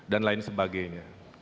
dan lain sebagainya